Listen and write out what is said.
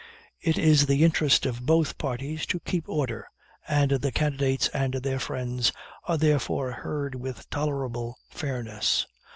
It is the interest of both parties to keep order, and the candidates and their friends are therefore heard with tolerable fairness.